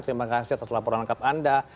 terima kasih atas laporan lengkap anda